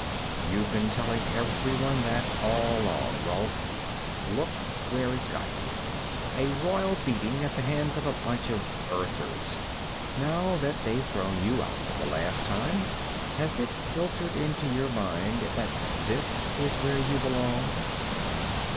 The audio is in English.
"You've been telling everyone that all along, Rolf. Look where it got you. A royal beating at the hands of a bunch of Earthers. Now that they've thrown you out for the last time, has it filtered into your mind that this is where you belong?"